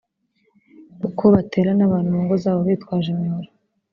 kuko batera n’abantu mu ngo zabo bitwaje imihoro